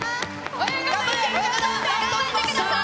頑張ってください。